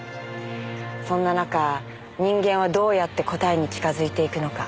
そんな中人間はどうやって答えに近づいていくのか。